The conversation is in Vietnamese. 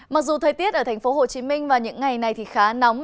mặc dù thời tiết ở thành phố hồ chí minh vào những ngày này thì khá nóng